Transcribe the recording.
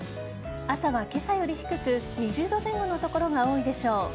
朝は今朝より低く２０度前後の所が多いでしょう。